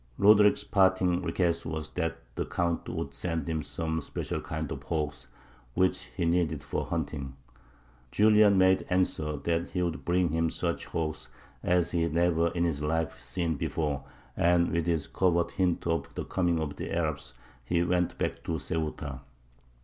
Roderick's parting request was that the Count would send him some special kind of hawks, which he needed for hunting; Julian made answer, that he would bring him such hawks as he had never in his life seen before, and with this covert hint of the coming of the Arabs he went back to Ceuta.